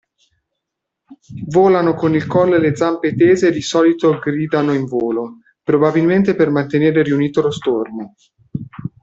Volano con il collo e le zampe tese e di solito gridano in volo, probabilmente per mantenere riunito lo stormo.